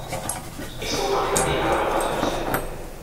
Ezkontza honetatik alaba bat jaio zen.